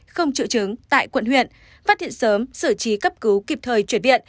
không triệu chứng tại quận huyện phát hiện sớm xử trí cấp cứu kịp thời chuyển viện